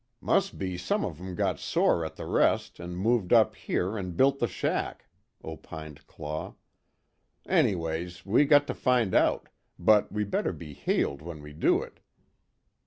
"Must be some of 'em got sore at the rest, an' moved up here an' built the shack," opined Claw, "Anyways, we got to find out but we better be heeled when we do it."